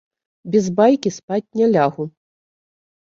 Без байкі спаць не лягу.